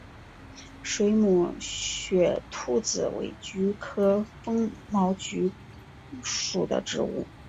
水母雪兔子为菊科风毛菊属的植物。